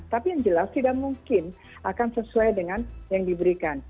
tapi yang jelas tidak mungkin akan sesuai dengan yang diberikan